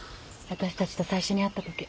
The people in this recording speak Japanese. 私たちと最初に会った時。